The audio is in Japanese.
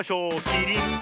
キリン！